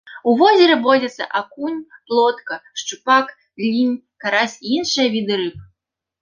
У возеры водзяцца акунь, плотка, шчупак, лінь, карась і іншыя віды рыб.